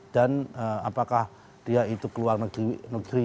dan apakah dia itu keluar negeri